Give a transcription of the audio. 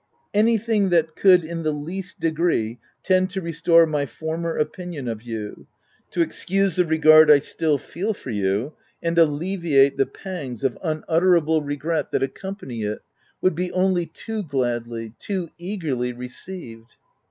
"Anything, that could, in the least degree, tend to restore my former opinion of you, to excuse the regard I still feel for you, and alle viate the pangs of unutterable regret that accom pany it, would be only too gladly — too eagerly received